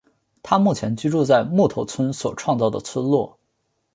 他目前居住在木头村所创造的村落。